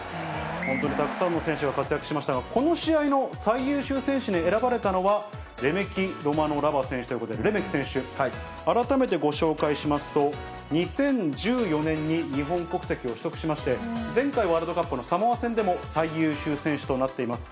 本当にたくさんの選手が活躍しましたが、この試合の最優秀選手に選ばれたのは、レメキロマノラヴァ選手ということで、レメキ選手、改めてご紹介しますと、２０１４年に日本国籍を取得しまして、前回ワールドカップのサモア戦でも最優秀選手となっています。